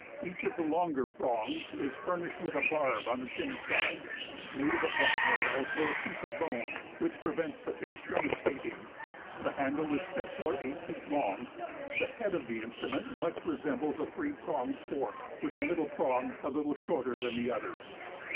Each of the longer prongs is furnished with a barb on its inner side, made of a bent nail or piece of bone, which prevents the fish from escaping. The handle is 6 or 8 feet long. The head of the instrument much resembles a three pronged fork, with the middle prong a little shorter than the others.